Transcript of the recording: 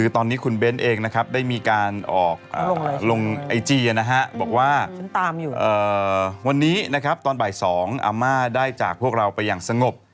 ตรงไอจีนะฮะบอกว่าวันนี้นะครับตอนบ่ายสองอาม่าได้จากพวกเราไปอย่างสงบ